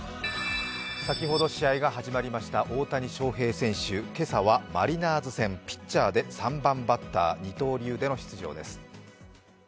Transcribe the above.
先ほど試合が始まりました、大谷翔平選手、今朝はマリナーズ戦、ピッチャーで３番バッター、二刀流での出場です。